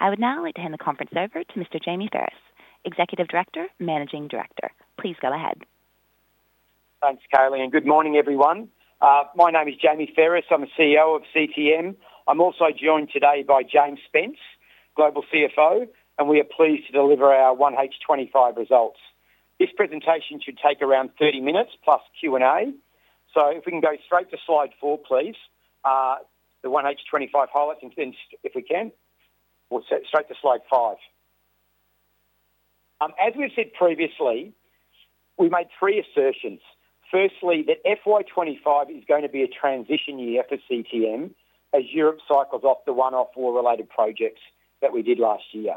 I would now like to hand the conference over to Mr. Jamie Pherous, Executive Director, Managing Director. Please go ahead. Thanks, Caroline, and good morning, everyone. My name is Jamie Pherous. I'm the CEO of CTM. I'm also joined today by James Spence, Global CFO, and we are pleased to deliver our 1H 2025 results. This presentation should take around 30 minutes, plus Q&A. So if we can go straight to slide four, please, the 1H 2025 highlights, and then if we can, we'll go straight to slide five. As we've said previously, we made three assertions. Firstly, that FY 2025 is going to be a transition year for CTM as Europe cycles off the one-off war-related projects that we did last year.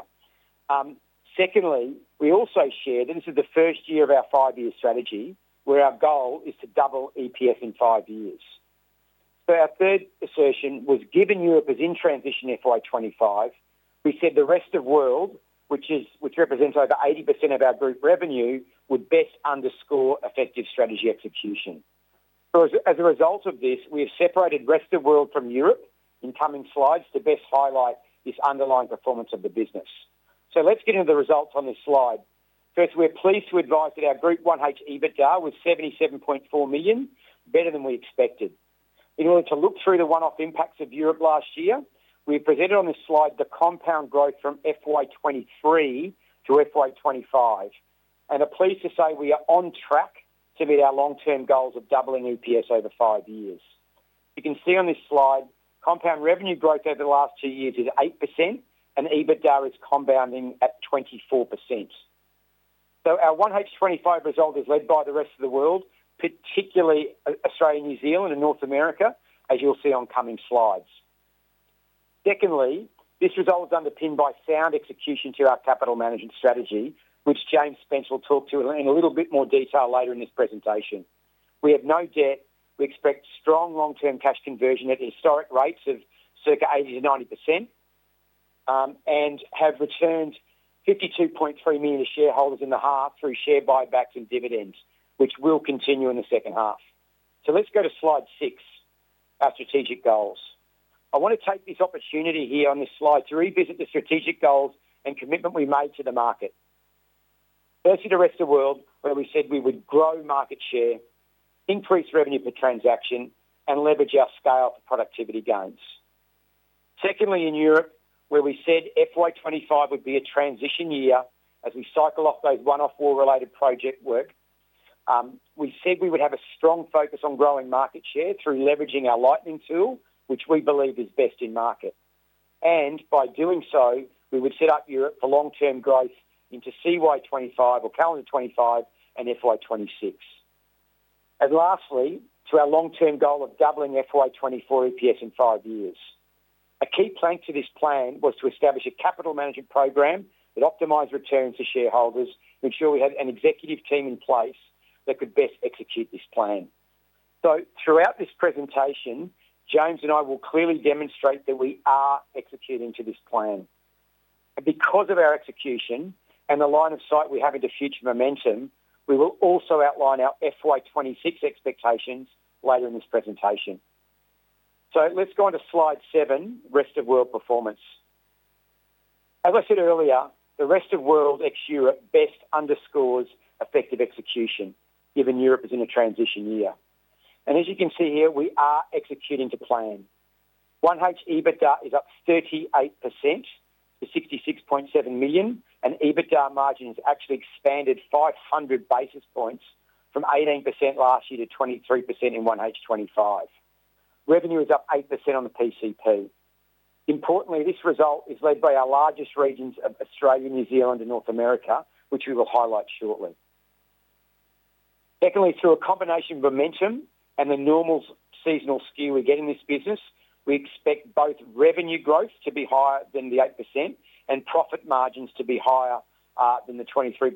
Secondly, we also shared that this is the first year of our five-year strategy where our goal is to double EBITDA in five years. Our third assertion was, given Europe is in transition FY 2025, we said the rest of the world, which represents over 80% of our group revenue, would best underscore effective strategy execution. As a result of this, we have separated rest of the world from Europe in coming slides to best highlight this underlying performance of the business. So let's get into the results on this slide. First, we're pleased to advise that our Group 1H EBITDA was 77.4 million, better than we expected. In order to look through the one-off impacts of Europe last year, we presented on this slide the compound growth from FY 2023 to FY 2025. And I'm pleased to say we are on track to meet our long-term goals of doubling EPS over five years. You can see on this slide compound revenue growth over the last two years is 8%, and EBITDA is compounding at 24%. Our 1H 2025 result is led by the rest of the world, particularly Australia, New Zealand, and North America, as you'll see on coming slides. Secondly, this result is underpinned by sound execution to our capital management strategy, which James Spence will talk to in a little bit more detail later in this presentation. We have no debt. We expect strong long-term cash conversion at historic rates of circa 80%-90% and have returned 52.3 million to shareholders in the half through share buybacks and dividends, which will continue in the second half. Let's go to slide six, our strategic goals. I want to take this opportunity here on this slide to revisit the strategic goals and commitment we made to the market. Firstly, to rest of the world, where we said we would grow market share, increase revenue per transaction, and leverage our scale for productivity gains. Secondly, in Europe, where we said FY 2025 would be a transition year as we cycle off those one-off war-related project work, we said we would have a strong focus on growing market share through leveraging our Lightning tool, which we believe is best in market. And by doing so, we would set up Europe for long-term growth into CY 2025 or calendar 2025 and FY 2026. And lastly, to our long-term goal of doubling FY 2024 EPS in five years, a key part of this plan was to establish a capital management program that optimized returns to shareholders to ensure we had an executive team in place that could best execute this plan. So throughout this presentation, James and I will clearly demonstrate that we are executing to this plan. Because of our execution and the line of sight we have into future momentum, we will also outline our FY 2026 expectations later in this presentation. Let's go on to slide seven, rest of world performance. As I said earlier, the rest of world ex Europe best underscores effective execution, given Europe is in a transition year. As you can see here, we are executing to plan. 1H EBITDA is up 38% to 66.7 million, and EBITDA margin has actually expanded 500 basis points from 18% last year to 23% in 1H 2025. Revenue is up 8% on the PCP. Importantly, this result is led by our largest regions of Australia, New Zealand, and North America, which we will highlight shortly. Secondly, through a combination of momentum and the normal seasonal skew we get in this business, we expect both revenue growth to be higher than the 8% and profit margins to be higher than the 23%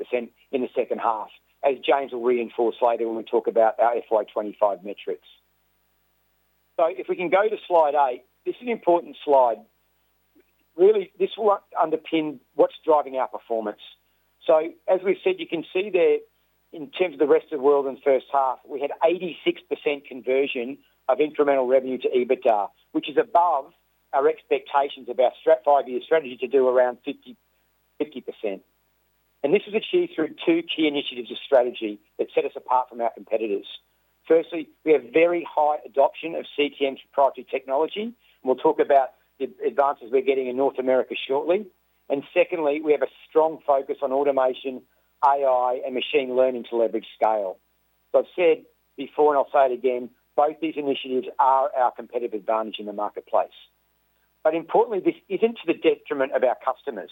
in the second half, as James will reinforce later when we talk about our FY 2025 metrics. So if we can go to slide eight, this is an important slide. Really, this will underpin what's driving our performance. So as we've said, you can see there in terms of the rest of the world in the first half, we had 86% conversion of incremental revenue to EBITDA, which is above our expectations of our five-year strategy to do around 50%. And this was achieved through two key initiatives of strategy that set us apart from our competitors. Firstly, we have very high adoption of CTM's proprietary technology, and we'll talk about the advances we're getting in North America shortly. And secondly, we have a strong focus on automation, AI, and machine learning to leverage scale. So I've said before, and I'll say it again, both these initiatives are our competitive advantage in the marketplace. But importantly, this isn't to the detriment of our customers.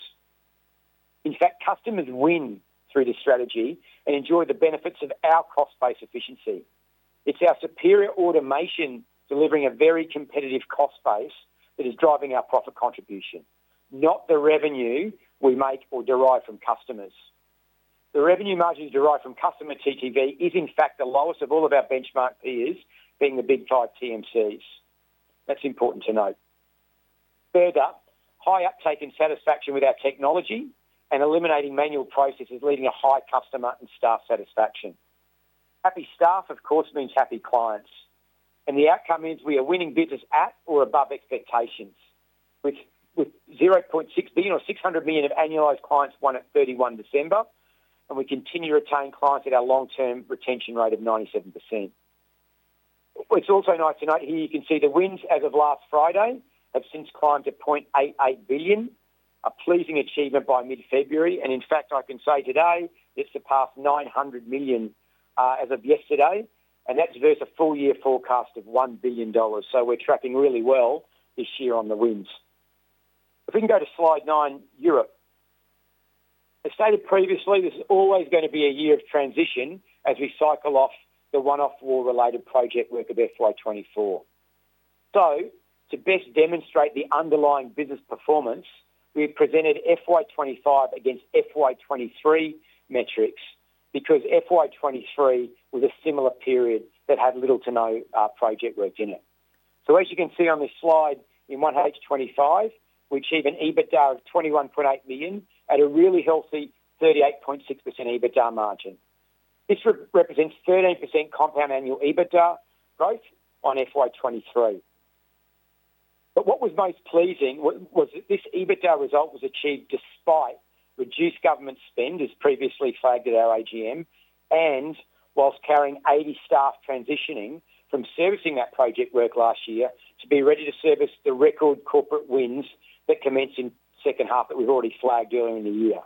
In fact, customers win through this strategy and enjoy the benefits of our cost-based efficiency. It's our superior automation delivering a very competitive cost base that is driving our profit contribution, not the revenue we make or derive from customers. The revenue margin derived from customer TTV is, in fact, the lowest of all of our benchmark peers, being the big five TMCs. That's important to note. Third up, high uptake and satisfaction with our technology and eliminating manual processes leading to high customer and staff satisfaction. Happy staff, of course, means happy clients. And the outcome is we are winning business at or above expectations, with $0.6 billion or $600 million of annualized clients won at 31 December, and we continue to retain clients at our long-term retention rate of 97%. It's also nice to note here you can see the wins as of last Friday have since climbed to $0.88 billion, a pleasing achievement by mid-February. And in fact, I can say today it's surpassed $900 million as of yesterday, and that's versus a full-year forecast of $1 billion. So we're tracking really well this year on the wins. If we can go to slide nine, Europe. As stated previously, this is always going to be a year of transition as we cycle off the one-off war-related project work of FY 2024. So to best demonstrate the underlying business performance, we presented FY 2025 against FY 2023 metrics because FY 2023 was a similar period that had little to no project work in it. So as you can see on this slide, in 1H 2025, we achieved an EBITDA of 21.8 million at a really healthy 38.6% EBITDA margin. This represents 13% compound annual EBITDA growth on FY 2023. But what was most pleasing was that this EBITDA result was achieved despite reduced government spend, as previously flagged at our AGM, and whilst carrying 80 staff transitioning from servicing that project work last year to be ready to service the record corporate wins that commenced in the second half that we've already flagged earlier in the year.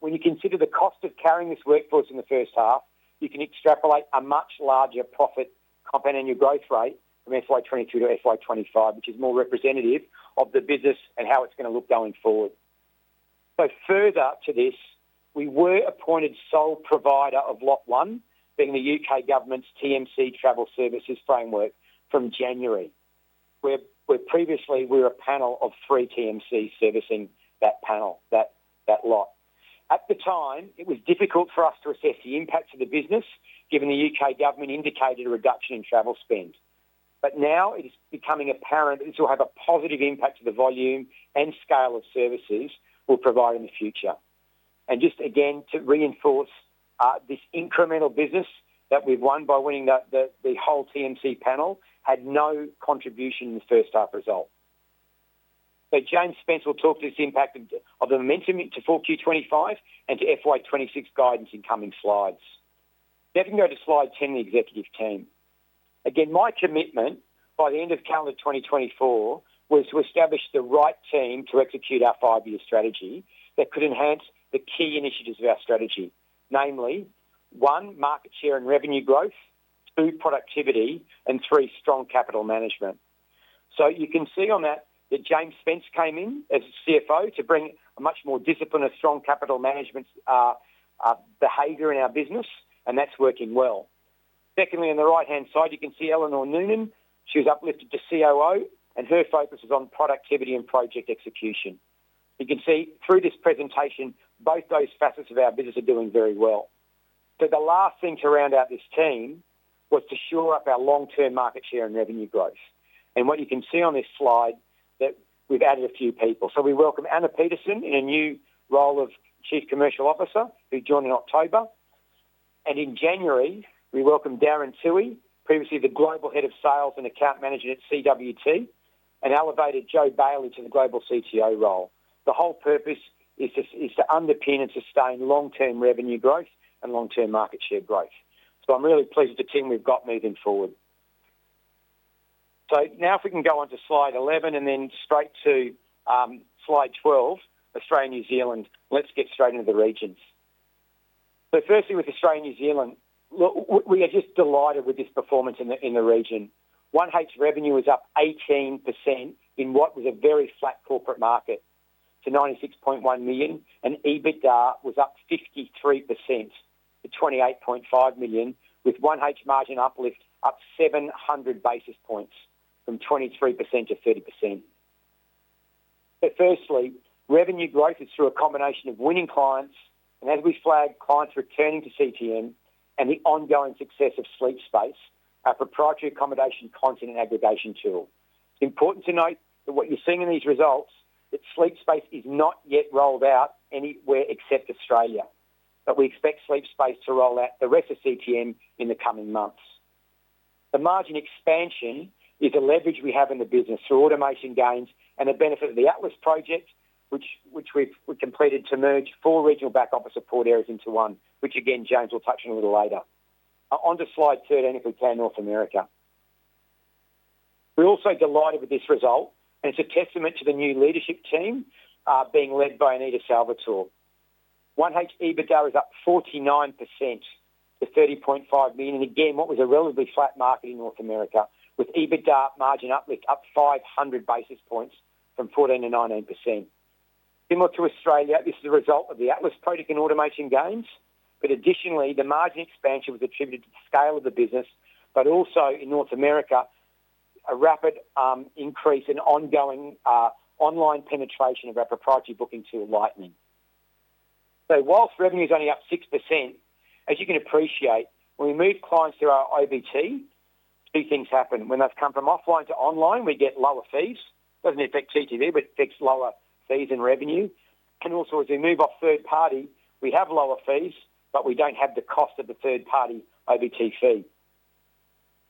When you consider the cost of carrying this workforce in the first half, you can extrapolate a much larger profit compound annual growth rate from FY 2022 to FY 2025, which is more representative of the business and how it's going to look going forward. Further to this, we were appointed sole provider of Lot 1, being the U.K. government's TMC Travel Services framework from January, where previously we were a panel of three TMCs servicing that panel, that lot. At the time, it was difficult for us to assess the impact of the business, given the U.K. government indicated a reduction in travel spend. But now it is becoming apparent this will have a positive impact to the volume and scale of services we'll provide in the future. and just again, to reinforce this incremental business that we've won by winning the whole TMC panel had no contribution in the first half result. So James Spence will talk to this impact of the momentum to 4Q25 and to FY 2026 guidance in coming slides. Now if we can go to slide 10, the executive team. Again, my commitment by the end of calendar 2024 was to establish the right team to execute our five-year strategy that could enhance the key initiatives of our strategy, namely, one, market share and revenue growth, two, productivity, and three, strong capital management. So you can see on that that James Spence came in as CFO to bring a much more disciplined, strong capital management behavior in our business, and that's working well. Secondly, on the right-hand side, you can see Eleanor Noonan. She was uplifted to COO, and her focus is on productivity and project execution. You can see through this presentation, both those facets of our business are doing very well. So the last thing to round out this team was to shore up our long-term market share and revenue growth. And what you can see on this slide is that we've added a few people. So we welcome Ana Pedersen in a new role of Chief Commercial Officer who joined in October. And in January, we welcomed Darren Toohey, previously the Global Head of Sales and Account Management at CWT, and elevated Joe Bailey to the Global CTO role. The whole purpose is to underpin and sustain long-term revenue growth and long-term market share growth. So I'm really pleased with the team we've got moving forward. Now if we can go on to slide 11 and then straight to slide 12, Australia and New Zealand. Let's get straight into the regions. Firstly, with Australia and New Zealand, we are just delighted with this performance in the region. 1H revenue was up 18% in what was a very flat corporate market to 96.1 million, and EBITDA was up 53% to 28.5 million, with 1H margin uplift up 700 basis points from 23%-30%. Revenue growth is through a combination of winning clients and, as we flagged, clients returning to CTM and the ongoing success of Sleep Space, our proprietary accommodation content and aggregation tool. It's important to note that what you're seeing in these results, that Sleep Space is not yet rolled out anywhere except Australia. We expect Sleep Space to roll out the rest of CTM in the coming months. The margin expansion is the leverage we have in the business through automation gains and the benefit of the Atlas project, which we completed to merge four regional back-office support areas into one, which again, James will touch on a little later. Onto slide 13, if we can, North America. We're also delighted with this result, and it's a testament to the new leadership team being led by Anita Salvatore. 1H EBITDA is up 49% to 30.5 million. And again, what was a relatively flat market in North America with EBITDA margin uplift up 500 basis points from 14%-19%. Similar to Australia, this is the result of the Atlas project and automation gains. But additionally, the margin expansion was attributed to the scale of the business, but also in North America, a rapid increase in ongoing online penetration of our proprietary booking tool Lightning. While revenue is only up 6%, as you can appreciate, when we move clients through our OBT, two things happen. When they've come from offline to online, we get lower fees. It doesn't affect TTV, but it affects lower fees and revenue. And also, as we move off third party, we have lower fees, but we don't have the cost of the third party OBT fee.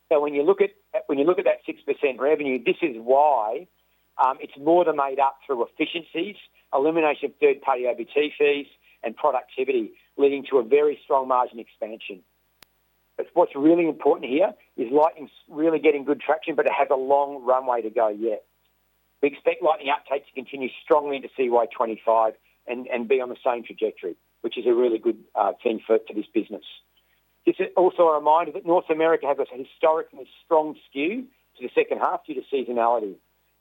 So when you look at that 6% revenue, this is why it's more than made up through efficiencies, elimination of third party OBT fees, and productivity, leading to a very strong margin expansion. But what's really important here is Lightning's really getting good traction, but it has a long runway to go yet. We expect Lightning uptake to continue strongly into CY 2025 and be on the same trajectory, which is a really good thing for this business. This is also a reminder that North America has a historically strong skew to the second half due to seasonality.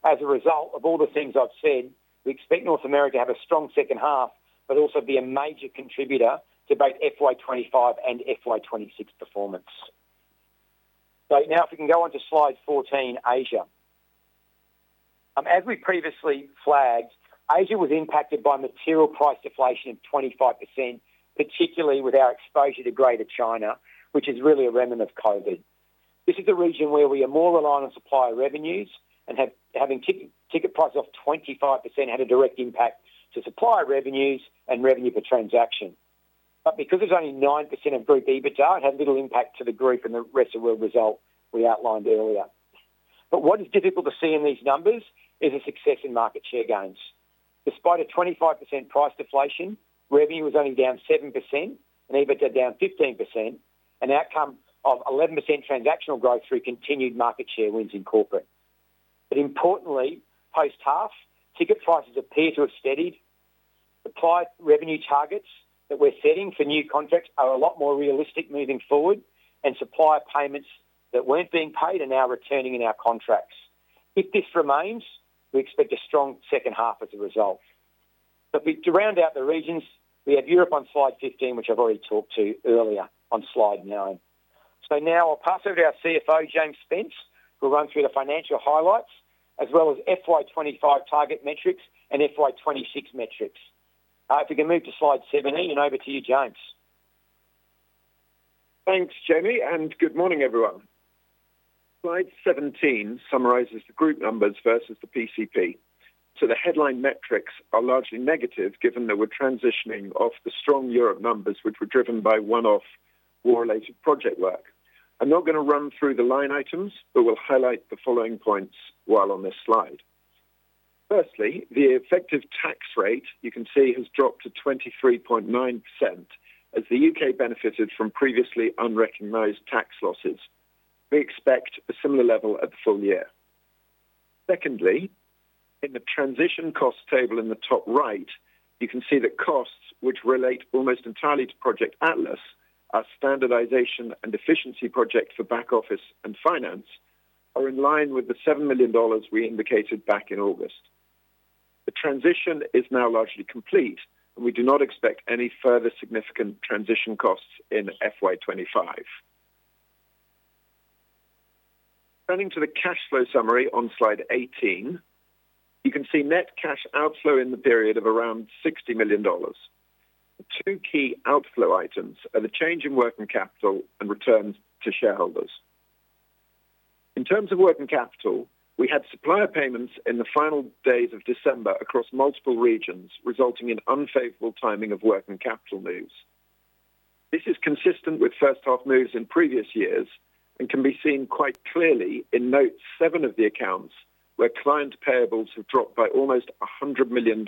As a result of all the things I've said, we expect North America to have a strong second half, but also be a major contributor to both FY 2025 and FY 2026 performance. So now if we can go on to slide 14, Asia. As we previously flagged, Asia was impacted by material price deflation of 25%, particularly with our exposure to Greater China, which is really a remnant of COVID. This is a region where we are more reliant on supplier revenues and having ticket prices off 25% had a direct impact to supplier revenues and revenue per transaction. But because there's only 9% of group EBITDA, it had little impact to the group and the rest of the world result we outlined earlier. But what is difficult to see in these numbers is the success in market share gains. Despite a 25% price deflation, revenue was only down 7% and EBITDA down 15%, an outcome of 11% transactional growth through continued market share wins in corporate. But importantly, post-half, ticket prices appear to have steadied. Supply revenue targets that we're setting for new contracts are a lot more realistic moving forward, and supply payments that weren't being paid are now returning in our contracts. If this remains, we expect a strong second half as a result. But to round out the regions, we have Europe on slide 15, which I've already talked to earlier on slide nine. So now I'll pass over to our CFO, James Spence, who will run through the financial highlights as well as FY 2025 target metrics and FY 2026 metrics. If we can move to slide 17, and over to you, James. Thanks, Jamie, and good morning, everyone. Slide 17 summarizes the group numbers versus the PCP. So the headline metrics are largely negative given that we're transitioning off the strong Europe numbers, which were driven by one-off war-related project work. I'm not going to run through the line items, but we'll highlight the following points while on this slide. Firstly, the effective tax rate, you can see, has dropped to 23.9% as the U.K. benefited from previously unrecognized tax losses. We expect a similar level at the full year. Secondly, in the transition cost table in the top right, you can see that costs, which relate almost entirely to Project Atlas, our standardization and efficiency project for back office and finance, are in line with the 7 million dollars we indicated back in August. The transition is now largely complete, and we do not expect any further significant transition costs in FY 2025. Turning to the cash flow summary on slide 18, you can see net cash outflow in the period of around $60 million. Two key outflow items are the change in working capital and returns to shareholders. In terms of working capital, we had supplier payments in the final days of December across multiple regions, resulting in unfavorable timing of working capital moves. This is consistent with first-half moves in previous years and can be seen quite clearly in note seven of the accounts where client payables have dropped by almost $100 million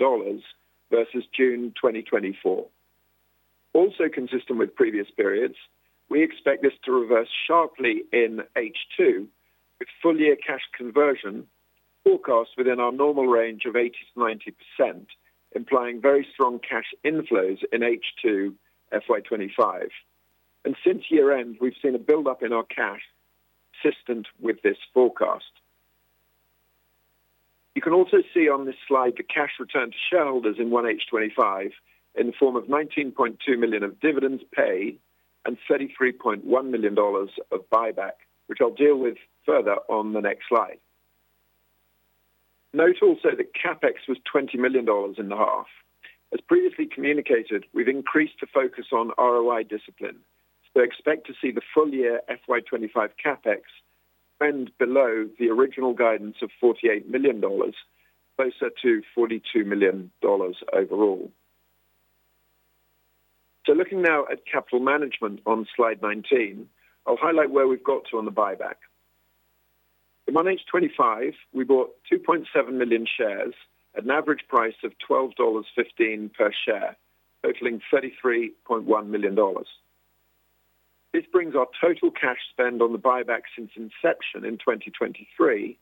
versus June 2024. Also consistent with previous periods, we expect this to reverse sharply in H2 with full-year cash conversion forecast within our normal range of 80%-90%, implying very strong cash inflows in H2 FY 2025. Since year-end, we've seen a build-up in our cash consistent with this forecast. You can also see on this slide the cash return to shareholders in 1H 2025 in the form of 19.2 million of dividends paid and $33.1 million of buyback, which I'll deal with further on the next slide. Note also that CapEx was $20 million in the half. As previously communicated, we've increased the focus on ROI discipline. Expect to see the full-year FY 2025 CapEx trend below the original guidance of $48 million, closer to $42 million overall. Looking now at capital management on slide 19, I'll highlight where we've got to on the buyback. In 1H 2025, we bought 2.7 million shares at an average price of $12.15 per share, totaling $33.1 million. This brings our total cash spend on the buyback since inception in 2023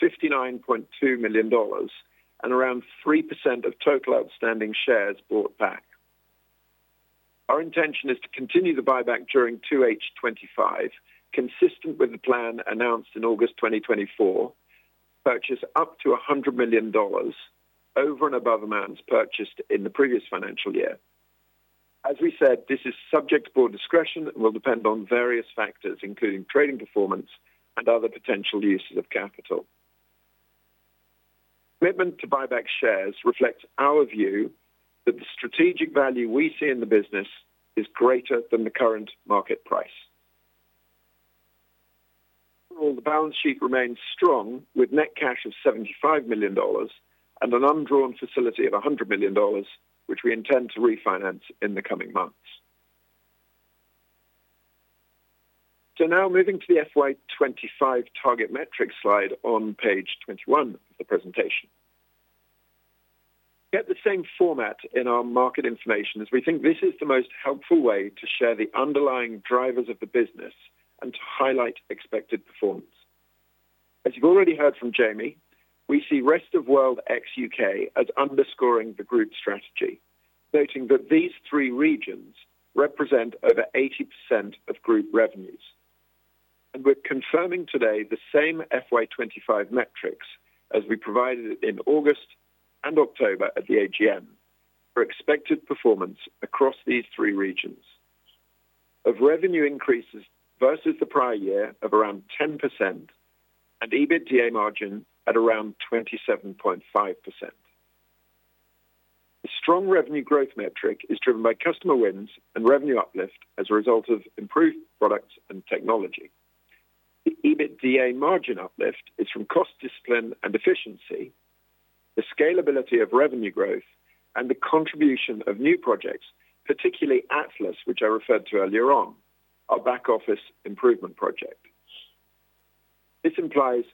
to $59.2 million and around 3% of total outstanding shares bought back. Our intention is to continue the buyback during 2H25, consistent with the plan announced in August 2024, to purchase up to $100 million over and above amounts purchased in the previous financial year. As we said, this is subject to board discretion and will depend on various factors, including trading performance and other potential uses of capital. Commitment to buyback shares reflects our view that the strategic value we see in the business is greater than the current market price. Overall, the balance sheet remains strong with net cash of $75 million and an undrawn facility of $100 million, which we intend to refinance in the coming months. So now moving to the FY 2025 target metric slide on page 21 of the presentation. We have the same format in our market information, as we think this is the most helpful way to share the underlying drivers of the business and to highlight expected performance. As you've already heard from Jamie, we see rest of world ex-UK as underscoring the group strategy, noting that these three regions represent over 80% of group revenues. And we're confirming today the same FY 2025 metrics as we provided in August and October at the AGM for expected performance across these three regions, of revenue increases versus the prior year of around 10% and EBITDA margin at around 27.5%. The strong revenue growth metric is driven by customer wins and revenue uplift as a result of improved products and technology. The EBITDA margin uplift is from cost discipline and efficiency, the scalability of revenue growth, and the contribution of new projects, particularly Atlas, which I referred to earlier on, our back-office improvement project. This implies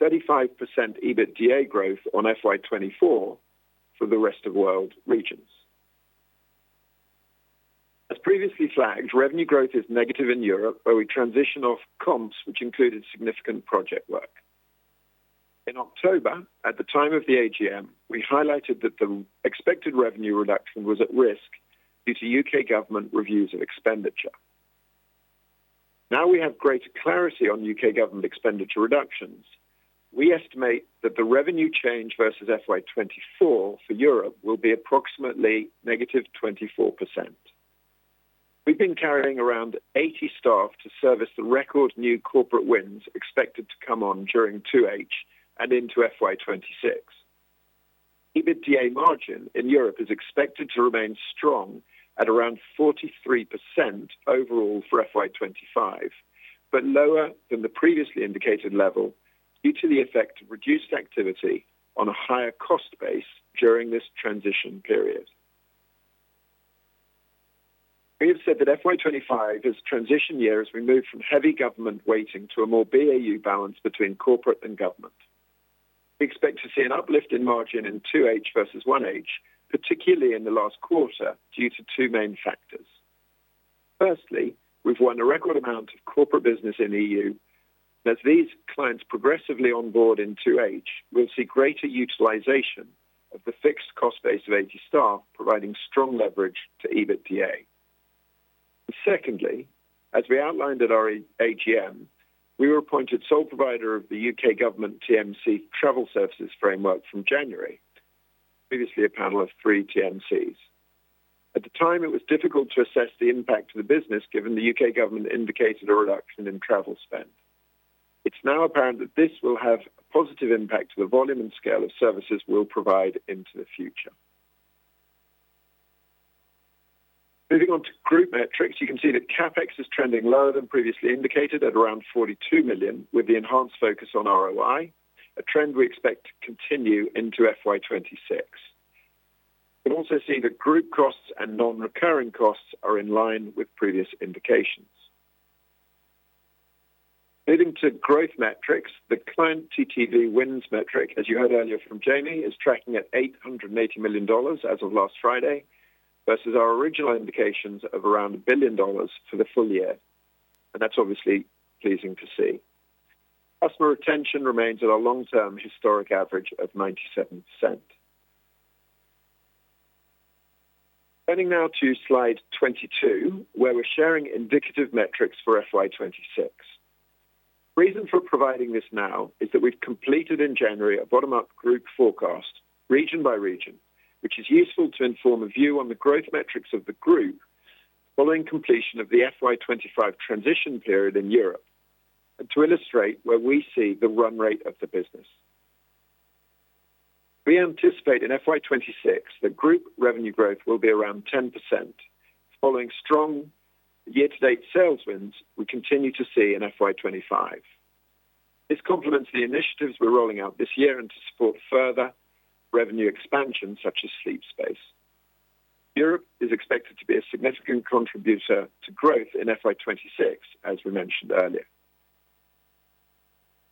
35% EBITDA growth on FY 2024 for the rest of world regions. As previously flagged, revenue growth is negative in Europe, where we transition off comps, which included significant project work. In October, at the time of the AGM, we highlighted that the expected revenue reduction was at risk due to U.K. government reviews of expenditure. Now we have greater clarity on U.K. government expenditure reductions. We estimate that the revenue change versus FY 2024 for Europe will be approximately negative 24%. We've been carrying around 80 staff to service the record new corporate wins expected to come on during 2H and into FY 2026. EBITDA margin in Europe is expected to remain strong at around 43% overall for FY 2025, but lower than the previously indicated level due to the effect of reduced activity on a higher cost base during this transition period. We have said that FY 2025 is a transition year as we move from heavy government weighting to a more BAU balance between corporate and government. We expect to see an uplift in margin in 2H versus 1H, particularly in the last quarter due to two main factors. Firstly, we've won a record amount of corporate business in the EU. As these clients progressively onboard in 2H, we'll see greater utilization of the fixed cost base of 80 staff, providing strong leverage to EBITDA. And secondly, as we outlined at our AGM, we were appointed sole provider of the U.K. government TMC travel services framework from January, previously a panel of three TMCs. At the time, it was difficult to assess the impact of the business given the U.K. government indicated a reduction in travel spend. It's now apparent that this will have a positive impact to the volume and scale of services we'll provide into the future. Moving on to group metrics, you can see that CapEx is trending lower than previously indicated at around 42 million, with the enhanced focus on ROI, a trend we expect to continue into FY 2026. We also see that group costs and non-recurring costs are in line with previous indications. Moving to growth metrics, the client TTV wins metric, as you heard earlier from Jamie, is tracking at $880 million as of last Friday versus our original indications of around $1 billion for the full year, and that's obviously pleasing to see. Customer retention remains at our long-term historic average of 97%. Turning now to slide 22, where we're sharing indicative metrics for FY 2026. The reason for providing this now is that we've completed in January a bottom-up group forecast region by region, which is useful to inform a view on the growth metrics of the group following completion of the FY 2025 transition period in Europe, and to illustrate where we see the run rate of the business. We anticipate in FY 2026 that group revenue growth will be around 10%, following strong year-to-date sales wins we continue to see in FY 2025. This complements the initiatives we're rolling out this year and to support further revenue expansion such as Sleep Space. Europe is expected to be a significant contributor to growth in FY 2026, as we mentioned earlier.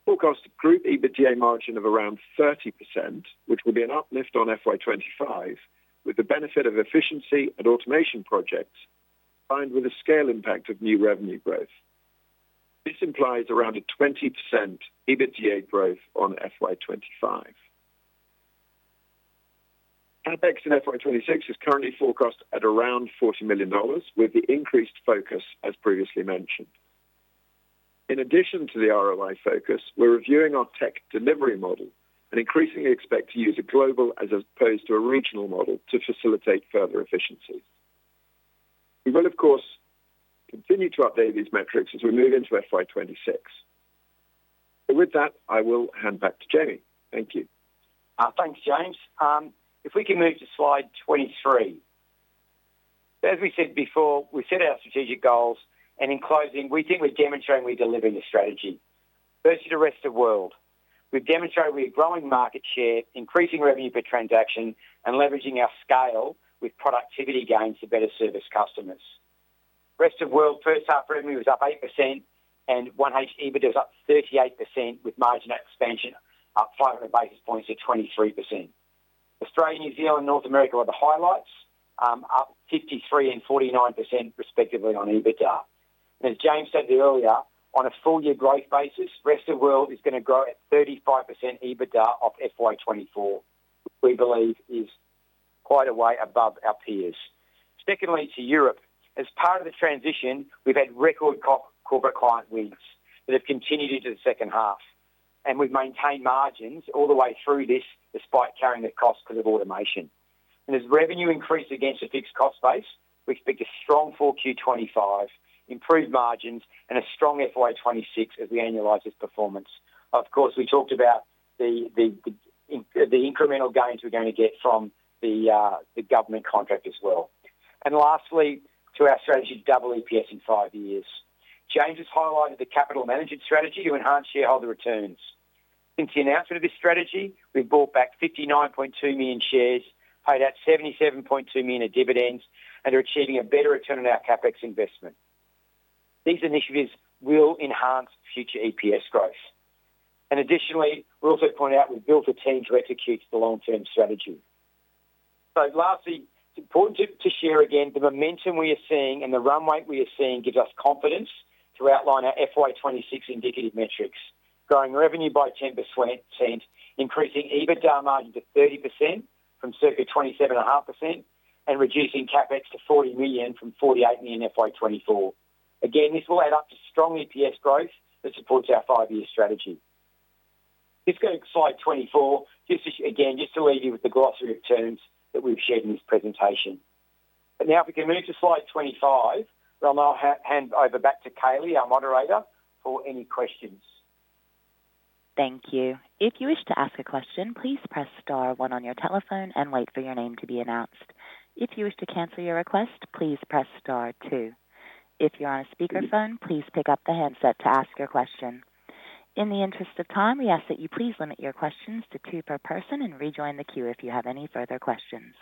Forecast group EBITDA margin of around 30%, which will be an uplift on FY 2025, with the benefit of efficiency and automation projects combined with a scale impact of new revenue growth. This implies around a 20% EBITDA growth on FY 2025. CapEx in FY 2026 is currently forecast at around $40 million, with the increased focus, as previously mentioned. In addition to the ROI focus, we're reviewing our tech delivery model and increasingly expect to use a global as opposed to a regional model to facilitate further efficiencies. We will, of course, continue to update these metrics as we move into FY 2026. With that, I will hand back to Jamie. Thank you. Thanks, James. If we can move to slide 23. As we said before, we set our strategic goals, and in closing, we think we're demonstrating we're delivering the strategy. Versus the rest of the world, we've demonstrated we're growing market share, increasing revenue per transaction, and leveraging our scale with productivity gains to better service customers. Rest of world, first-half revenue was up 8%, and 1H EBITDA was up 38%, with margin expansion up 500 basis points to 23%. Australia, New Zealand, and North America were the highlights, up 53% and 49% respectively on EBITDA. As James said earlier, on a full-year growth basis, rest of the world is going to grow at 35% EBITDA off FY 2024, which we believe is quite a way above our peers. Secondly, to Europe, as part of the transition, we've had record corporate client wins that have continued into the second half, and we've maintained margins all the way through this despite carrying the costs of automation. As revenue increases against the fixed cost base, we expect a strong full FY 2025, improved margins, and a strong FY 2026 as we annualize this performance. Of course, we talked about the incremental gains we're going to get from the government contract as well. Lastly, to our strategy to double EPS in five years. James has highlighted the capital management strategy to enhance shareholder returns. Since the announcement of this strategy, we've bought back 59.2 million shares, paid out 77.2 million in dividends, and are achieving a better return on our CapEx investment. These initiatives will enhance future EPS growth. Additionally, we also point out we've built a team to execute the long-term strategy. Lastly, it's important to share again the momentum we are seeing and the runway we are seeing gives us confidence to outline our FY 2026 indicative metrics, growing revenue by 10%, increasing EBITDA margin to 30% from circa 27.5%, and reducing CapEx to 40 million from 48 million in FY 2024. Again, this will add up to strong EPS growth that supports our five-year strategy. This goes to slide 24, again, just to leave you with the glossary of terms that we've shared in this presentation. But now, if we can move to slide 25, I'll now hand over back to Kaylee, our moderator, for any questions. Thank you. If you wish to ask a question, please press star one on your telephone and wait for your name to be announced. If you wish to cancel your request, please press star two. If you're on a speakerphone, please pick up the handset to ask your question. In the interest of time, we ask that you please limit your questions to two per person and rejoin the queue if you have any further questions.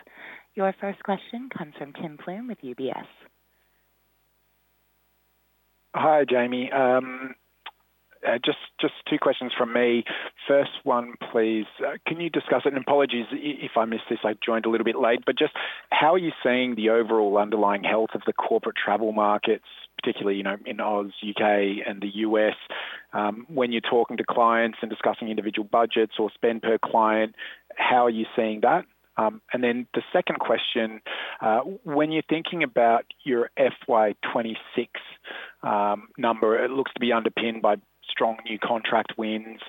Your first question comes from Tim Plumbe with UBS. Hi, Jamie. Just two questions from me. First one, please. Can you discuss it? And apologies if I missed this. I joined a little bit late. But just how are you seeing the overall underlying health of the corporate travel markets, particularly in U.K. and the U.S., when you're talking to clients and discussing individual budgets or spend per client? How are you seeing that? And then the second question, when you're thinking about your FY 2026 number, it looks to be underpinned by strong new contract wins.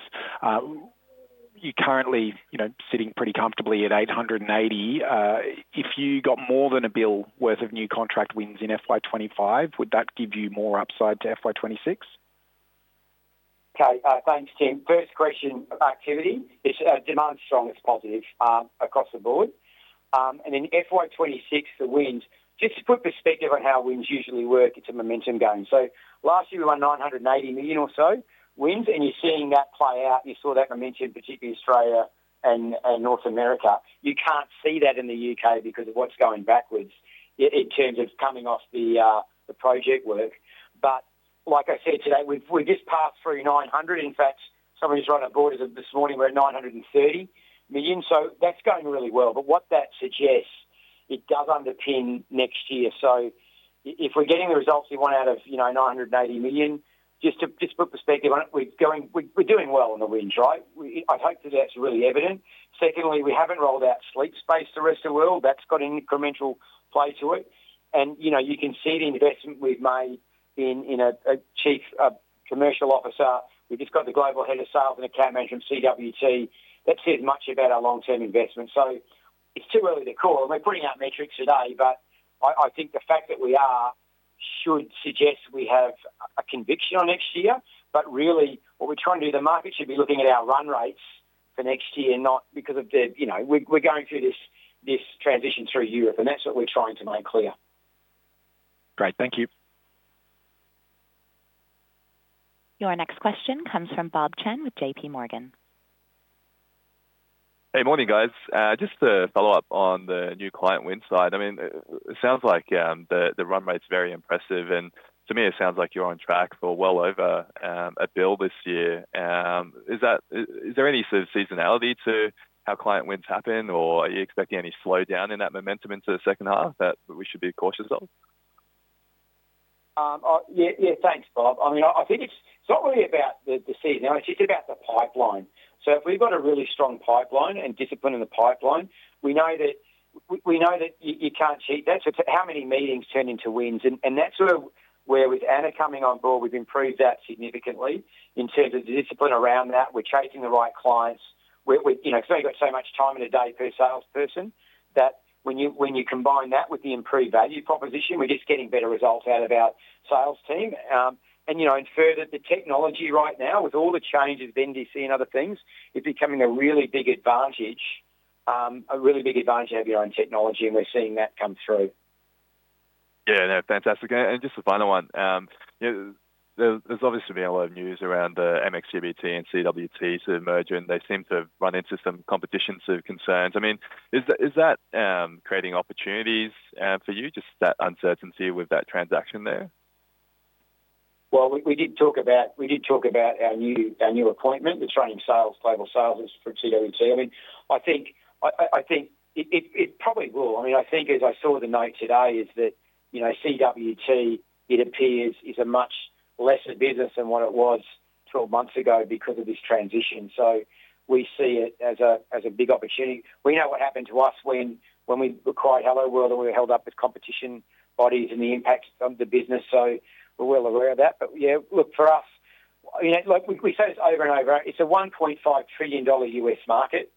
You're currently sitting pretty comfortably at 880. If you got more than a billion worth of new contract wins in FY 2025, would that give you more upside to FY 2026? Okay. Thanks, Tim. First question. Activity. Demand's strong. It's positive across the board, and in FY 2026, the wins, just to put perspective on how wins usually work, it's a momentum gain. So last year, we were on 980 million or so wins, and you're seeing that play out. You saw that momentum, particularly in Australia and North America. You can't see that in the UK because of what's going backwards in terms of coming off the project work, but like I said today, we've just passed through 900 million. In fact, somebody was right on the borders of this morning. We're at 930 million. So that's going really well, but what that suggests, it does underpin next year. So if we're getting the results we want out of 980 million, just to put perspective on it, we're doing well on the wins, right? I hope that that's really evident. Secondly, we haven't rolled out Sleep Space to the rest of the world. That's got an incremental play to it. And you can see the investment we've made in a Chief Commercial Officer. We've just got the Global Head of Sales and Account Management from CWT. That says much about our long-term investment. So it's too early to call. And we're putting out metrics today, but I think the fact that we are should suggest we have a conviction on next year. But really, what we're trying to do, the market should be looking at our run rates for next year, not because of the we're going through this transition through Europe, and that's what we're trying to make clear. Great. Thank you. Your next question comes from Bob Chen with J.P. Morgan. Hey, morning, guys. Just to follow up on the new client wins side, I mean, it sounds like the run rate's very impressive. And to me, it sounds like you're on track for well over a bill this year. Is there any sort of seasonality to how client wins happen, or are you expecting any slowdown in that momentum into the second half that we should be cautious of? Yeah, thanks, Bob. I mean, I think it's not really about the season. It's about the pipeline. So if we've got a really strong pipeline and discipline in the pipeline, we know that you can't cheat that. So how many meetings turn into wins? And that's sort of where with Ana coming on board, we've improved that significantly in terms of the discipline around that. We're chasing the right clients. We've certainly got so much time in a day per salesperson that when you combine that with the improved value proposition, we're just getting better results out of our sales team. And further, the technology right now, with all the changes, vendors seeing other things, is becoming a really big advantage, a really big advantage to have your own technology, and we're seeing that come through. Yeah, no, fantastic. And just the final one. There's obviously been a lot of news around the Amex GBT and CWT to merge, and they seem to have run into some sort of competition concerns. I mean, is that creating opportunities for you, just that uncertainty with that transaction there? Well, we did talk about our new appointment, the transition sales global sales for CWT. I mean, I think it probably will. I mean, I think, as I saw the note today, is that CWT, it appears, is a much lesser business than what it was 12 months ago because of this transition. So we see it as a big opportunity. We know what happened to us when we acquired Helloworld, and we were held up with competition bodies and the impact of the business. So we're well aware of that. But yeah, look, for us, we say this over and over, it's a $1.5 trillion U.S. market.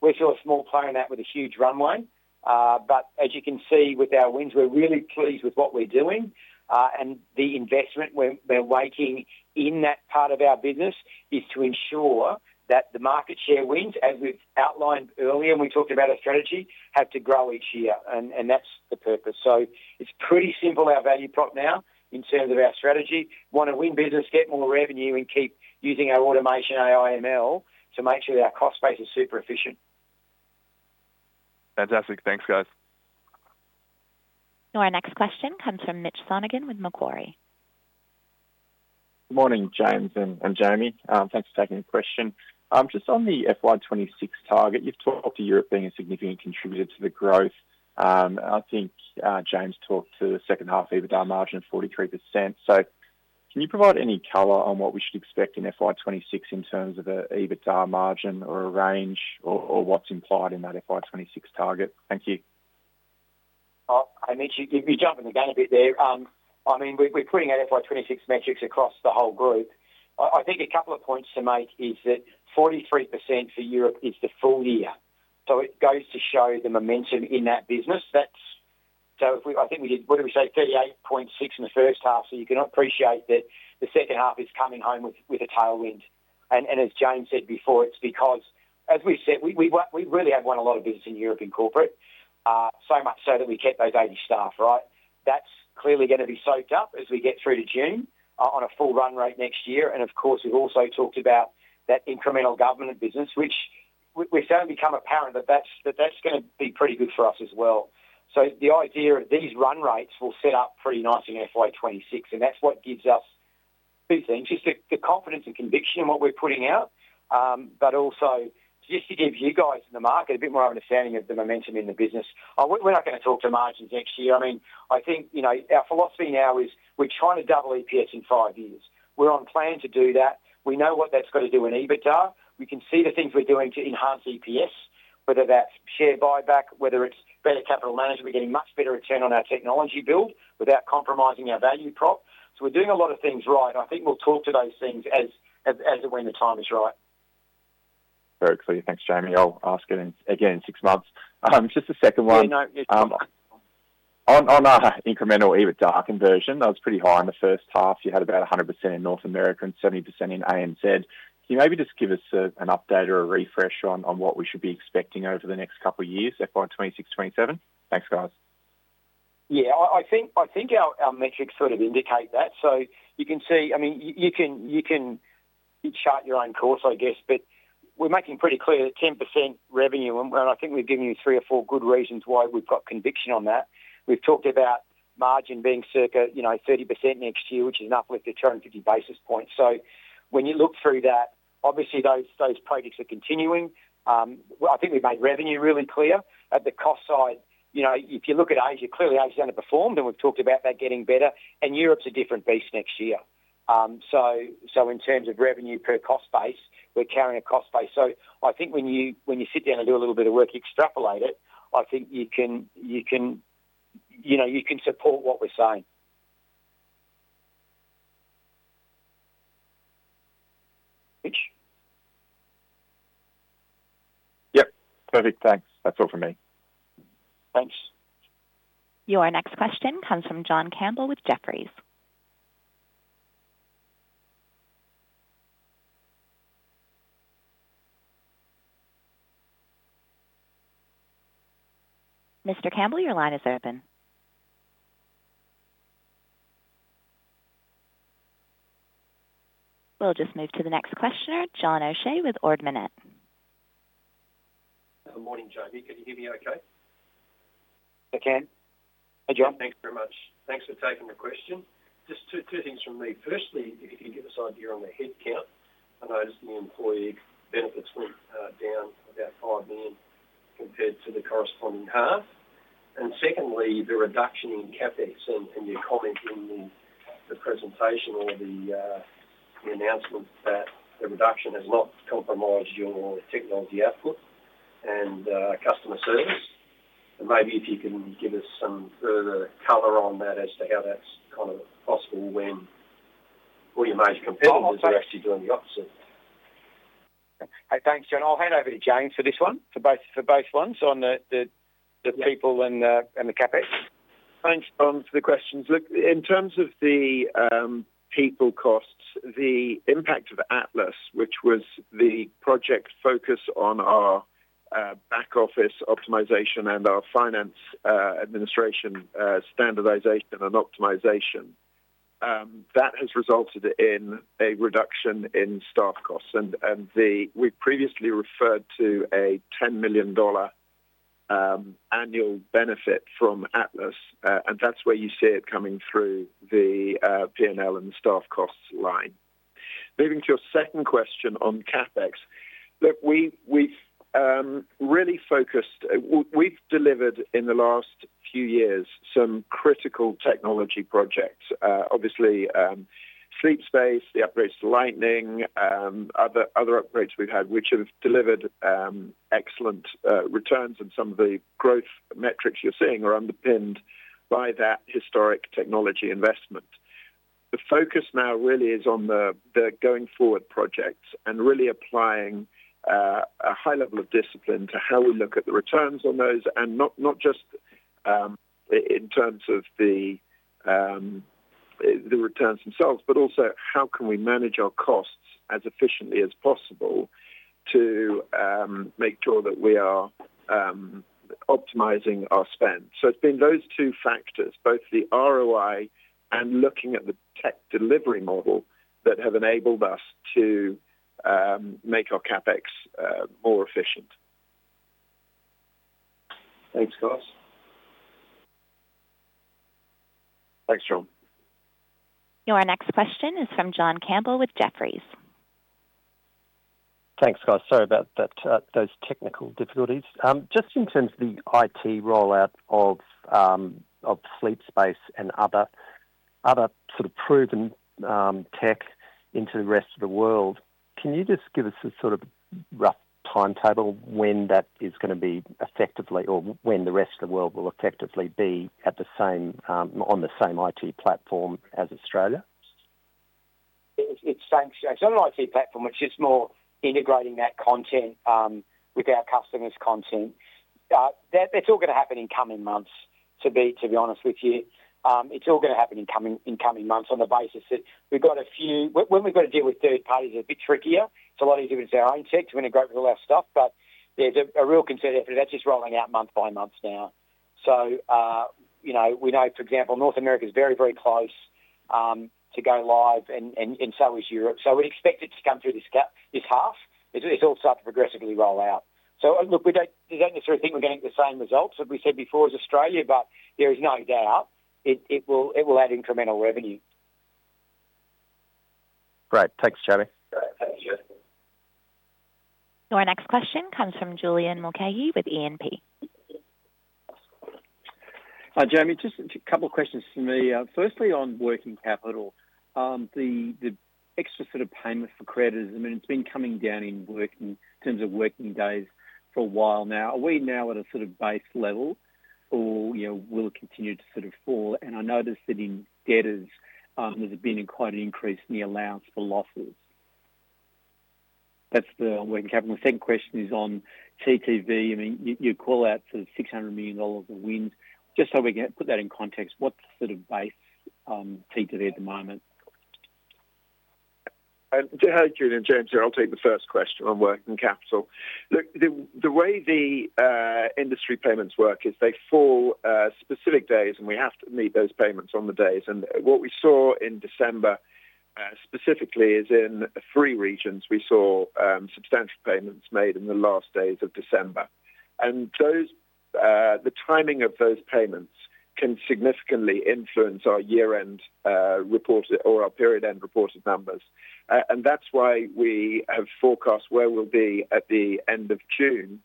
We're still a small player in that with a huge runway. But as you can see with our wins, we're really pleased with what we're doing. And the investment we're making in that part of our business is to ensure that the market share wins, as we've outlined earlier, and we talked about our strategy, have to grow each year. And that's the purpose. So it's pretty simple, our value prop now in terms of our strategy. We want to win business, get more revenue, and keep using our automation AI/ML to make sure that our cost base is super efficient. Fantastic. Thanks, guys. Your next question comes from Mitch Sonogan with Macquarie. Good morning, James and Jamie. Thanks for taking the question. Just on the FY 2026 target, you've talked to Europe being a significant contributor to the growth. I think James talked to the second half EBITDA margin of 43%, so can you provide any color on what we should expect in FY 2026 in terms of an EBITDA margin or a range or what's implied in that FY 2026 target? Thank you. I need to jump in again a bit there. I mean, we're putting out FY 2026 metrics across the whole group. I think a couple of points to make is that 43% for Europe is the full year, so it goes to show the momentum in that business. So I think we did, what did we say? 38.6% in the first half, so you can appreciate that the second half is coming home with a tailwind. As James said before, it's because, as we said, we really have won a lot of business in Europe in corporate, so much so that we kept those 80 staff, right? That's clearly going to be soaked up as we get through to June on a full run rate next year. Of course, we've also talked about that incremental government business, which we've found become apparent that that's going to be pretty good for us as well. The idea of these run rates will set up pretty nice in FY 2026. That's what gives us two things, just the confidence and conviction in what we're putting out, but also just to give you guys in the market a bit more understanding of the momentum in the business. We're not going to talk to margins next year. I mean, I think our philosophy now is we're trying to double EPS in five years. We're on plan to do that. We know what that's got to do in EBITDA. We can see the things we're doing to enhance EPS, whether that's share buyback, whether it's better capital management. We're getting much better return on our technology build without compromising our value prop. So we're doing a lot of things right. I think we'll talk to those things as when the time is right. Very clear. Thanks, Jamie. I'll ask again in six months. Just a second one. On our incremental EBITDA conversion, that was pretty high in the first half. You had about 100% in North America and 70% in ANZ. Can you maybe just give us an update or a refresh on what we should be expecting over the next couple of years, FY 2026, FY 2027? Thanks, guys. Yeah. I think our metrics sort of indicate that. So you can see, I mean, you can chart your own course, I guess, but we're making pretty clear 10% revenue. And I think we've given you three or four good reasons why we've got conviction on that. We've talked about margin being circa 30% next year, which is an uplift of 250 basis points. So when you look through that, obviously, those projects are continuing. I think we've made revenue really clear. At the cost side, if you look at Asia, clearly, Asia's underperformed, and we've talked about that getting better. And Europe's a different beast next year. So in terms of revenue per cost base, we're carrying a cost base. So I think when you sit down and do a little bit of work, extrapolate it, I think you can support what we're saying. Yep. Perfect. Thanks. That's all from me. Thanks. Your next question comes from John Campbell with Jefferies. Mr. Campbell, your line is open. We'll just move to the next questioner, John O'Shea with Ord Minnett. Good morning, Jamie. Can you hear me okay? I can. Hey, John. Thanks very much. Thanks for taking the question. Just two things from me. Firstly, if you can give us an idea on the headcount, I noticed the employee benefits went down about 5 million compared to the corresponding half. And secondly, the reduction in CapEx and your comment in the presentation or the announcement that the reduction has not compromised your technology output and customer service. And maybe if you can give us some further color on that as to how that's kind of possible when all your major competitors are actually doing the opposite. Hey, thanks, John. I'll hand over to James for this one, for both ones on the people and the CapEx. Thanks, John, for the questions. Look, in terms of the people costs, the impact of Atlas, which was the project focus on our back office optimization and our finance administration standardization and optimization, that has resulted in a reduction in staff costs. And we previously referred to a 10 million dollar annual benefit from Atlas, and that's where you see it coming through the P&L and the staff costs line. Moving to your second question on CapEx, look, we've really focused. We've delivered in the last few years some critical technology projects. Obviously, Sleep Space, the upgrades to Lightning, other upgrades we've had, which have delivered excellent returns. And some of the growth metrics you're seeing are underpinned by that historic technology investment. The focus now really is on the going forward projects and really applying a high level of discipline to how we look at the returns on those, and not just in terms of the returns themselves, but also how can we manage our costs as efficiently as possible to make sure that we are optimizing our spend. So it's been those two factors, both the ROI and looking at the tech delivery model that have enabled us to make our CapEx more efficient. Thanks, guys. Thanks, John. Your next question is from John Campbell with Jefferies. Thanks, guys. Sorry about those technical difficulties. Just in terms of the IT rollout of Sleep Space and other sort of proven tech into the rest of the world, can you just give us a sort of rough timetable when that is going to be effectively or when the rest of the world will effectively be on the same IT platform as Australia? It's the same IT platform, which is more integrating that content with our customers' content. That's all going to happen in coming months, to be honest with you. It's all going to happen in coming months on the basis that we've got a few when we've got to deal with third parties, it's a bit trickier. It's a lot easier with our own tech to integrate with all our stuff. But there's a real concern that that's just rolling out month by month now. So we know, for example, North America is very, very close to go live, and so is Europe. So we expect it to come through this half. It's all starting to progressively roll out. So look, we don't necessarily think we're getting the same results that we said before as Australia, but there is no doubt it will add incremental revenue. Great. Thanks, Jamie. Thanks, Jamie. Your next question comes from Julian Mulcahy with E&P. Jamie, just a couple of questions for me. Firstly, on working capital, the extra sort of payment for creditors, I mean, it's been coming down in terms of working days for a while now. Are we now at a sort of base level, or will it continue to sort of fall? And I noticed that in debtors, there's been quite an increase in the allowance for losses. That's the working capital. The second question is on TTV. I mean, you call out sort of $600 million of wins. Just so we can put that in context, what's the sort of base TTV at the moment? And to help you and James, I'll take the first question on working capital. Look, the way the industry payments work is they fall on specific days, and we have to meet those payments on the days. And what we saw in December specifically is in three regions, we saw substantial payments made in the last days of December. And the timing of those payments can significantly influence our year-end report or our period-end reported numbers. And that's why we have forecast where we'll be at the end of June,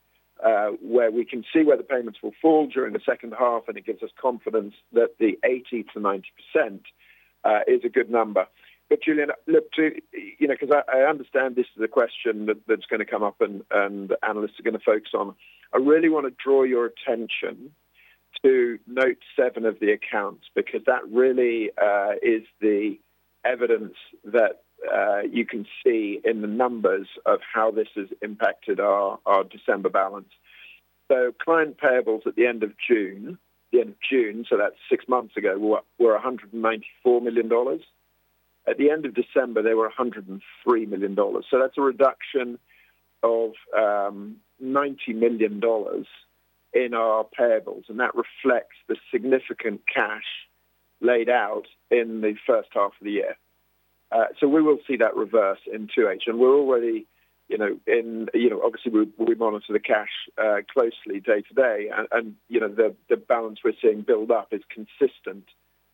where we can see where the payments will fall during the second half, and it gives us confidence that the 80%-90% is a good number. But Julian, look, because I understand this is a question that's going to come up, and analysts are going to focus on, I really want to draw your attention to note seven of the accounts because that really is the evidence that you can see in the numbers of how this has impacted our December balance. So client payables at the end of June, so that's six months ago, were $194 million. At the end of December, they were $103 million. So that's a reduction of $90 million in our payables. And that reflects the significant cash laid out in the first half of the year. So we will see that reverse in 2H. And we're already in, obviously, we monitor the cash closely day to day. And the balance we're seeing build up is consistent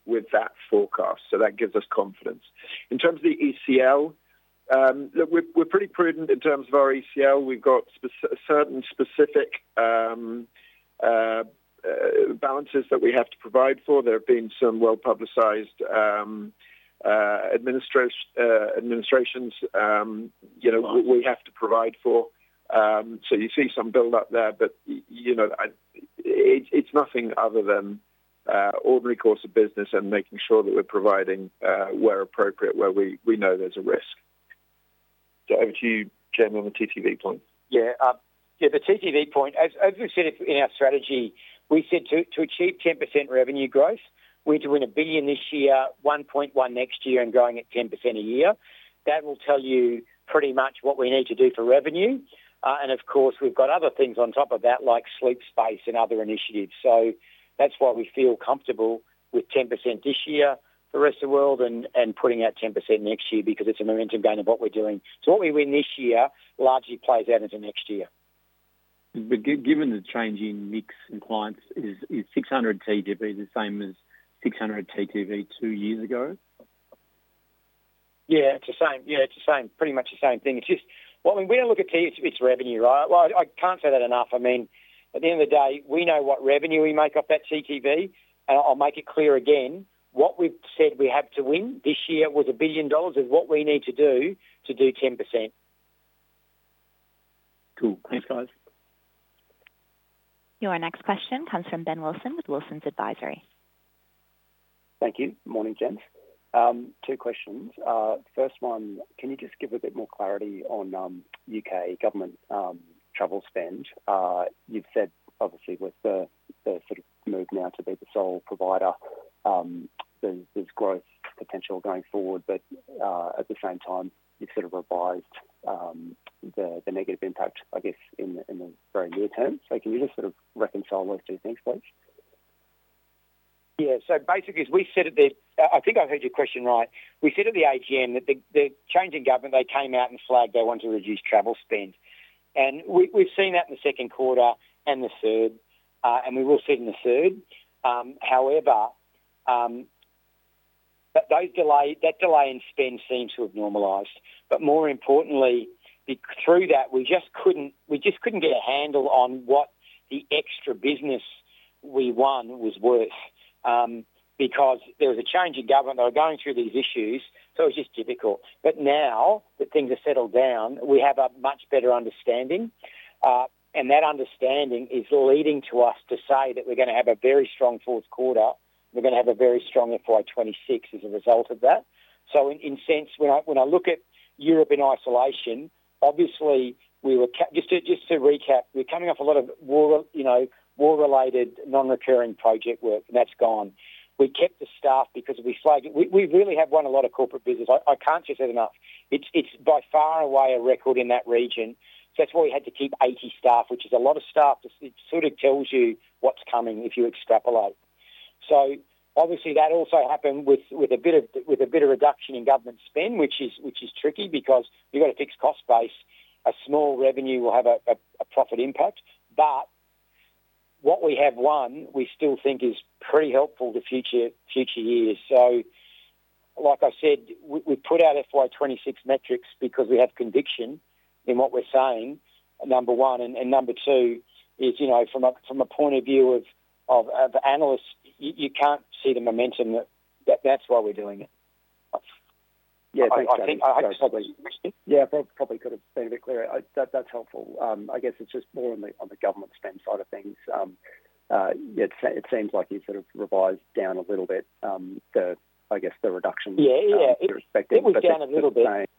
with that forecast. So that gives us confidence. In terms of the ECL, look, we're pretty prudent in terms of our ECL. We've got certain specific balances that we have to provide for. There have been some well-publicized administrations we have to provide for. So you see some build-up there, but it's nothing other than ordinary course of business and making sure that we're providing where appropriate, where we know there's a risk. So over to you, Jamie, on the TTV point. Yeah. Yeah, the TTV point, as we said in our strategy, we said to achieve 10% revenue growth, we're to win 1 billion this year, 1.1 billion next year, and going at 10% a year. That will tell you pretty much what we need to do for revenue. And of course, we've got other things on top of that, like Sleep Space and other initiatives. So that's why we feel comfortable with 10% this year for the rest of the world and putting out 10% next year because it's a momentum gain of what we're doing. So what we win this year largely plays out into next year. Given the changing mix in clients, is 600 TTV the same as 600 TTV two years ago? Yeah, it's the same. Yeah, it's the same. Pretty much the same thing. It's just, well, when we look at T, it's revenue, right? I can't say that enough. I mean, at the end of the day, we know what revenue we make off that TTV. I'll make it clear again, what we've said we have to win this year was 1 billion dollars of what we need to do to do 10%. Cool. Thanks, guys. Your next question comes from Ben Wilson with Wilsons Advisory. Thank you. Morning, James. Two questions. First one, can you just give a bit more clarity on U.K. government travel spend? You've said, obviously, with the sort of move now to be the sole provider, there's growth potential going forward. But at the same time, you've sort of revised the negative impact, I guess, in the very near term. So can you just sort of reconcile those two things, please? Yeah. So basically, as we said at the, I think I heard your question right. We said at the AGM that the change in government, they came out and flagged they want to reduce travel spend. And we've seen that in the second quarter and the third, and we will see it in the third. However, that delay in spend seems to have normalized. But more importantly, through that, we just couldn't get a handle on what the extra business we won was worth because there was a change in government. They were going through these issues, so it was just difficult. But now that things have settled down, we have a much better understanding. And that understanding is leading us to say that we're going to have a very strong fourth quarter. We're going to have a very strong FY 2026 as a result of that. So in a sense, when I look at Europe in isolation, obviously, we were, just to recap, coming off a lot of war-related non-recurring project work, and that's gone. We kept the staff because we flagged it. We really have won a lot of corporate business. I can't just say it enough. It's by far and away a record in that region. So that's why we had to keep 80 staff, which is a lot of staff. It sort of tells you what's coming if you extrapolate. So obviously, that also happened with a bit of reduction in government spend, which is tricky because you've got a fixed cost base. A small revenue will have a profit impact. But what we have won, we still think is pretty helpful for future years. So like I said, we put out FY 2026 metrics because we have conviction in what we're saying, number one. And number two is, from a point of view of analysts, you can't see the momentum. That's why we're doing it. Yeah, thanks. I just thought, probably could have been a bit clearer. That's helpful. I guess it's just more on the government spend side of things. It seems like you've sort of revised down a little bit the, I guess, the reduction perspective. Yeah, yeah. It went down a little bit.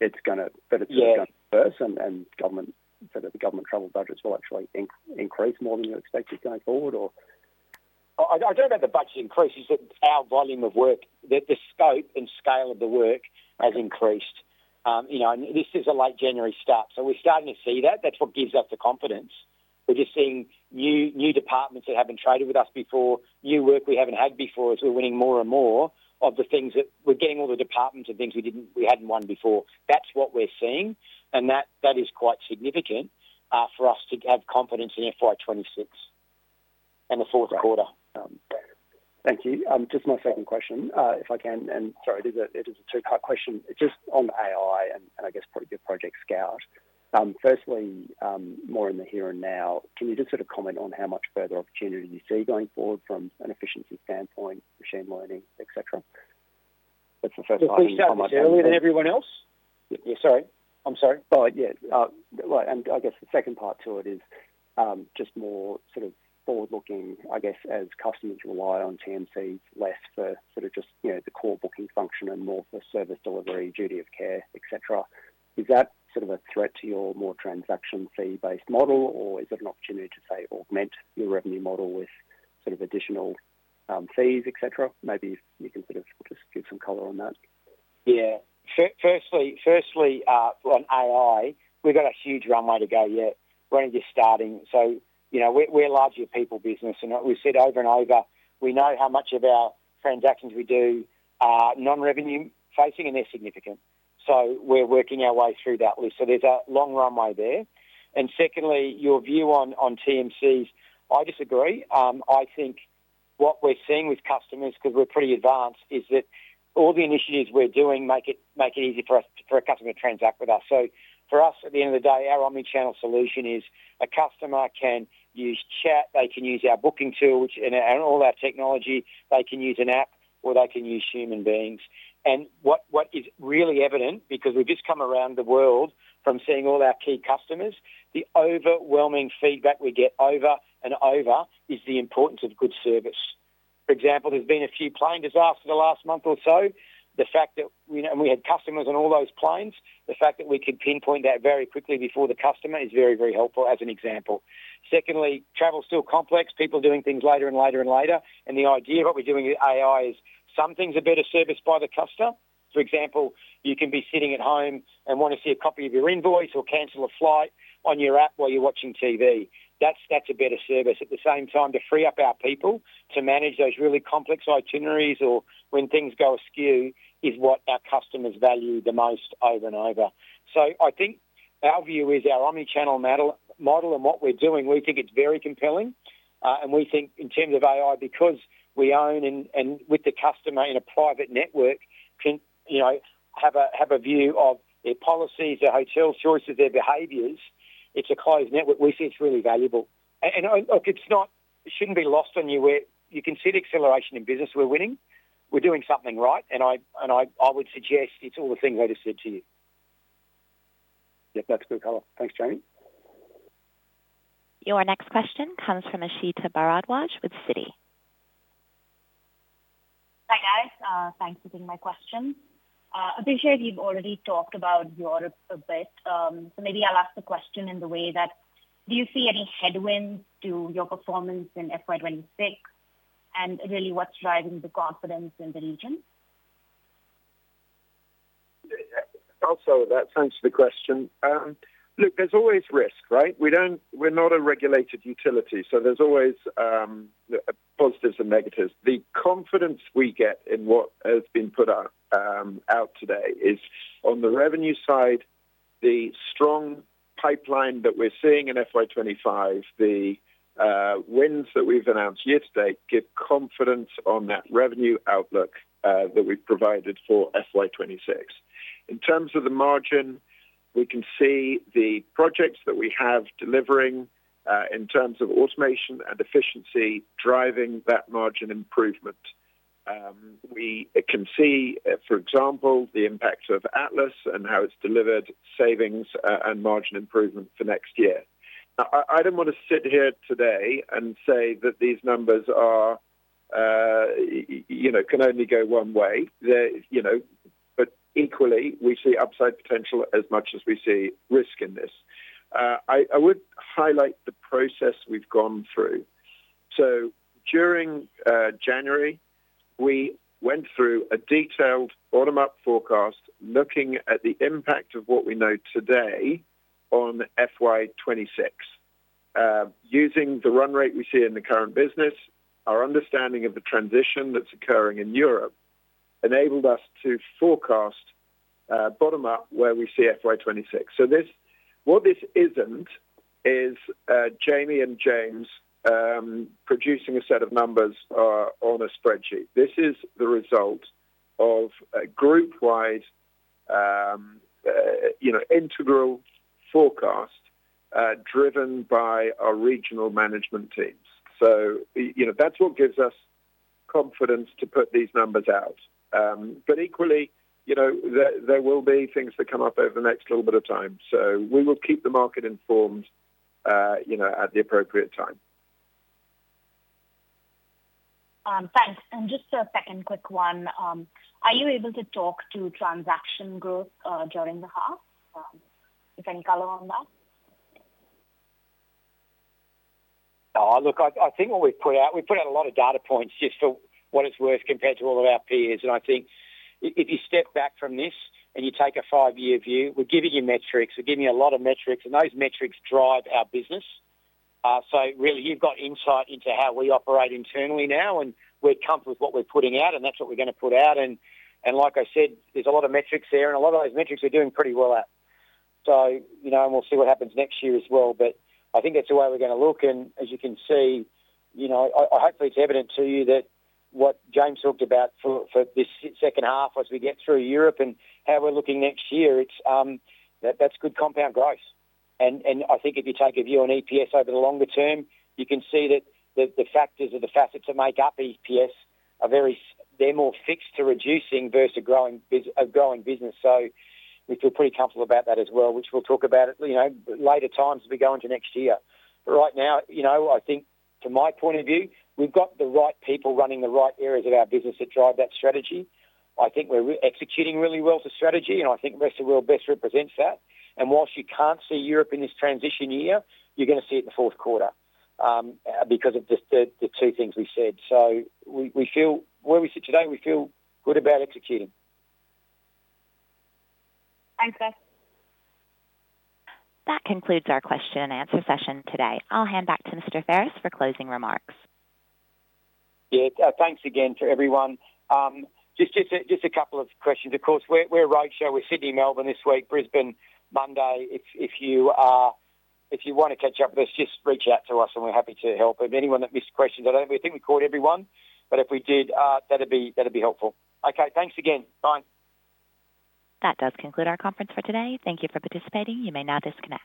It's going to, but it's going to reverse, and government travel budgets will actually increase more than you expected going forward, or? I don't know about the budget increase. It's that our volume of work, the scope and scale of the work has increased. And this is a late January start. So we're starting to see that. That's what gives us the confidence. We're just seeing new departments that haven't traded with us before, new work we haven't had before. So we're winning more and more of the things that we're getting all the departments and things we hadn't won before. That's what we're seeing. And that is quite significant for us to have confidence in FY 2026 and the fourth quarter. Thank you. Just my second question, if I can. And sorry, it is a two-part question. It's just on AI and, I guess, probably your Project Scout. Firstly, more in the here and now, can you just sort of comment on how much further opportunity you see going forward from an efficiency standpoint, machine learning, etc.? That's the first part. You said that was earlier than everyone else? Yeah, sorry. I'm sorry. Oh, yeah. And I guess the second part to it is just more sort of forward-looking, I guess, as customers rely on TMCs less for sort of just the core booking function and more for service delivery, duty of care, etc. Is that sort of a threat to your more transaction fee-based model, or is it an opportunity to, say, augment your revenue model with sort of additional fees, etc.? Maybe you can sort of just give some color on that. Yeah. Firstly, on AI, we've got a huge runway to go yet. We're only just starting. So we're largely a people business. And we've said over and over, we know how much of our transactions we do are non-revenue-facing, and they're significant. So we're working our way through that list. So there's a long runway there. And secondly, your view on TMCs, I disagree. I think what we're seeing with customers, because we're pretty advanced, is that all the initiatives we're doing make it easy for a customer to transact with us. So for us, at the end of the day, our omnichannel solution is a customer can use chat, they can use our booking tool, and all our technology, they can use an app, or they can use human beings. What is really evident, because we've just come around the world from seeing all our key customers, the overwhelming feedback we get over and over is the importance of good service. For example, there's been a few plane disasters the last month or so. The fact that we had customers on all those planes, the fact that we could pinpoint that very quickly before the customer is very, very helpful as an example. Secondly, travel's still complex. People are doing things later and later and later. The idea of what we're doing with AI is some things are better serviced by the customer. For example, you can be sitting at home and want to see a copy of your invoice or cancel a flight on your app while you're watching TV. That's a better service. At the same time, to free up our people to manage those really complex itineraries or when things go askew is what our customers value the most over and over, so I think our view is our omnichannel model and what we're doing, we think it's very compelling, and we think in terms of AI, because we own and with the customer in a private network, can have a view of their policies, their hotel choices, their behaviors, it's a closed network. We see it's really valuable, and look, it shouldn't be lost on you where you can see the acceleration in business we're winning. We're doing something right. And I would suggest it's all the things I just said to you. Yep, that's good color. Thanks, Jamie. Your next question comes from Aashita Bharadwaj with Citi. Hi, guys. Thanks for taking my question. I appreciate you've already talked about Europe a bit. So maybe I'll ask the question in the way that, do you see any headwinds to your performance in FY 2026? And really, what's driving the confidence in the region? Also, that's answered the question. Look, there's always risk, right? We're not a regulated utility. So there's always positives and negatives. The confidence we get in what has been put out today is, on the revenue side, the strong pipeline that we're seeing in FY 2025, the wins that we've announced year to date give confidence on that revenue outlook that we've provided for FY 2026. In terms of the margin, we can see the projects that we have delivering in terms of automation and efficiency driving that margin improvement. We can see, for example, the impact of Atlas and how it's delivered savings and margin improvement for next year. I don't want to sit here today and say that these numbers can only go one way. But equally, we see upside potential as much as we see risk in this. I would highlight the process we've gone through. So during January, we went through a detailed bottom-up forecast looking at the impact of what we know today on FY 2026. Using the run rate we see in the current business, our understanding of the transition that's occurring in Europe enabled us to forecast bottom-up where we see FY 2026. So what this isn't is Jamie and James producing a set of numbers on a spreadsheet. This is the result of a group-wide integral forecast driven by our regional management teams. So that's what gives us confidence to put these numbers out. But equally, there will be things that come up over the next little bit of time. So we will keep the market informed at the appropriate time. Thanks. And just a second quick one. Are you able to talk to transaction growth during the half? You can color on that. Look, I think what we've put out, we've put out a lot of data points just for what it's worth compared to all of our peers. And I think if you step back from this and you take a five-year view, we're giving you metrics. We're giving you a lot of metrics. And those metrics drive our business. So really, you've got insight into how we operate internally now. We're comfortable with what we're putting out. That's what we're going to put out. Like I said, there's a lot of metrics here. A lot of those metrics we're doing pretty well at. We'll see what happens next year as well. I think that's the way we're going to look. As you can see, hopefully, it's evident to you that what James talked about for this second half as we get through Europe and how we're looking next year, that's good compound growth. I think if you take a view on EPS over the longer term, you can see that the factors of the facets that make up EPS, they're more fixed to reducing versus a growing business. We feel pretty comfortable about that as well, which we'll talk about at later times as we go into next year. But right now, I think from my point of view, we've got the right people running the right areas of our business that drive that strategy. I think we're executing really well for strategy. And I think the rest of the world best represents that. And whilst you can't see Europe in this transition year, you're going to see it in the fourth quarter because of the two things we said. So where we sit today, we feel good about executing. Thanks, guys. That concludes our question and answer session today. I'll hand back to Mr. Pherous for closing remarks. Yeah. Thanks again to everyone. Just a couple of questions. Of course, we're a roadshow. We're Sydney, Melbourne this week, Brisbane Monday. If you want to catch up with us, just reach out to us, and we're happy to help. If anyone that missed questions, I don't think we called everyone. But if we did, that'd be helpful. Okay. Thanks again. Bye. That does conclude our conference for today. Thank you for participating. You may now disconnect.